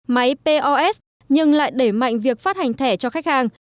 máy pos nhưng lại đẩy mạnh việc phát hành thẻ cho khách hàng